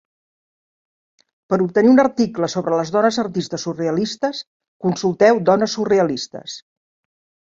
Per obtenir un article sobre les dones artistes surrealistes, consulteu dones surrealistes.